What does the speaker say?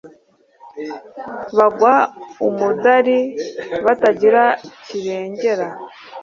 bagwa umudari batagira kirengera